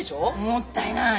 もったいない。